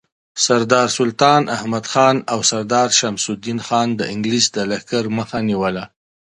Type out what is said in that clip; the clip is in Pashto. سردار سلطان احمدخان او سردار شمس الدین خان د انگلیس د لښکر مخه نیوله.